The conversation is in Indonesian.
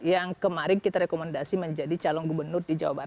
yang kemarin kita rekomendasi menjadi calon gubernur di jawa barat